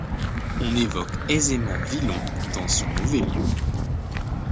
On évoque aisément Villon dans son mauvais lieu.